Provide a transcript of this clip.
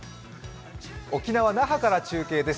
沖縄・那覇から中継です。